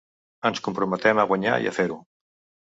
Ens comprometem a guanyar i a fer-ho.